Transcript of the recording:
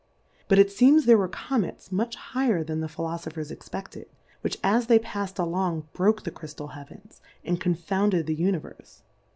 But it fecms there were Co mets much higher than the Philofophers expe(Sted, which as they pafs'd along broke the Cryftal Heavens, and con founded the Univerfe.